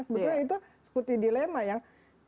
sebenarnya itu security dilemma yang